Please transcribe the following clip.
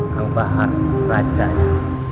yang bahar racanya